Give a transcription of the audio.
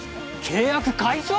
契約解消！？